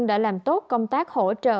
đã làm tốt công tác hỗ trợ